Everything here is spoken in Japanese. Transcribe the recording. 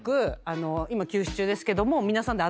今休止中ですけども皆さんで。